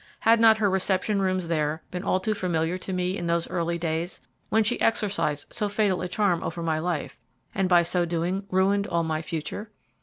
Had not her reception rooms there been all too familiar to me in those early days, when she exercised so fatal a charm over my life, and by so doing ruined all my future?